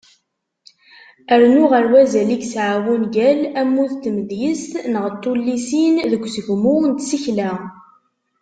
Rnu ɣer wazal i yesεa wungal, ammud n tmedyezt neɣ n tullisin, deg usegmu n tsekla.